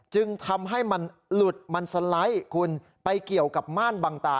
จึงทำให้มันหลุดมันสไลด์คุณไปเกี่ยวกับม่านบางตา